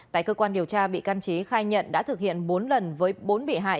tại cơ quan điều tra bị can trí khai nhận đã thực hiện bốn lần với bốn bị hại